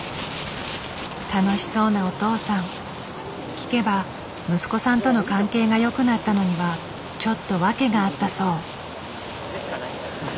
聞けば息子さんとの関係がよくなったのにはちょっと訳があったそう。